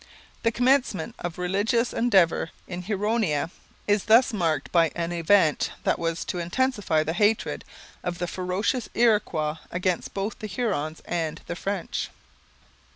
The commencement of religious endeavour in Huronia is thus marked by an event that was to intensify the hatred of the ferocious Iroquois against both the Hurons and the French.